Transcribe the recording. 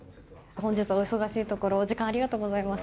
本日、お忙しいところお時間ありがとうございます。